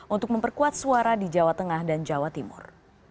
untuk memperkuat suara di jawa tengah dan jawa timur